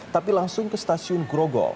tapi langsung ke stasiun grogol